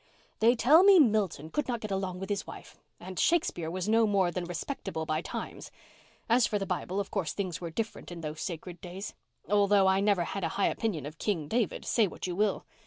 "They tell me Milton could not get along with his wife, and Shakespeare was no more than respectable by times. As for the Bible, of course things were different in those sacred days—although I never had a high opinion of King David, say what you will.